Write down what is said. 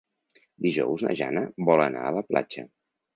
Dijous na Jana vol anar a la platja.